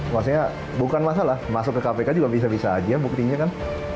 maksudnya bukan masalah masuk ke kpk juga bisa bisa aja buktinya kan